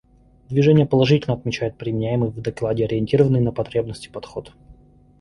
Движение положительно отмечает применяемый в докладе ориентированный на потребности подход.